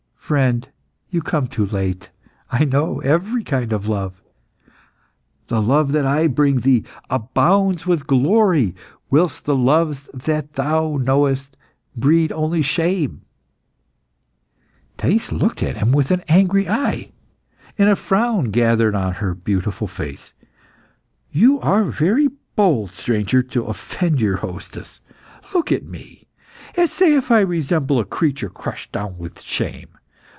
"Friend, you come too late. I know every kind of love." "The love that I bring thee abounds with glory, whilst the loves that thou knowest breed only shame." Thais looked at him with an angry eye, a frown gathered on her beautiful face. "You are very bold, stranger, to offend your hostess. Look at me, and say if I resemble a creature crushed down with shame.